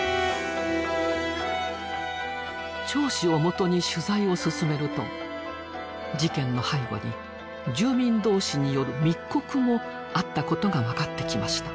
町史をもとに取材を進めると事件の背後に住民同士による密告もあったことが分かってきました。